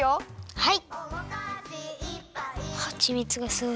はい！